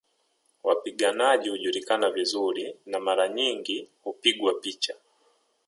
Wapiganaji hujulikana vizuri na mara nyingi hupigwa picha